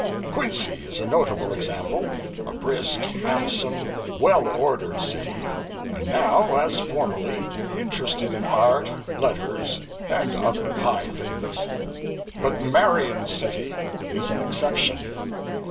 Quincy is a notable example a brisk, handsome, well ordered city; and now, as formerly, interested in art, letters, and other high things. But Marion City is an exception.